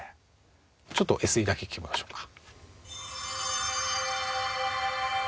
ちょっとＳＥだけ聴きましょうか。